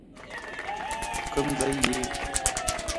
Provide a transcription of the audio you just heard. کيم ځي ئې